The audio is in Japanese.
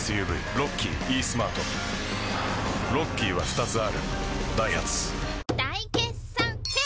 ロッキーイースマートロッキーは２つあるダイハツ大決算フェア